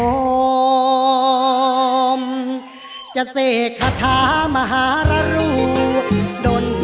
โอ้มจะเสกคาถามหารรู